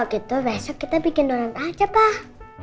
kalo gitu besok kita bikin donat aja pak